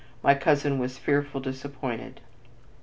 My cousin was fearful disappointed."